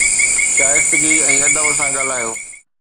شائستگي ۽ ادب سان ڳالهايو.